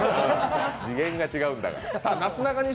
次元が違うんだから。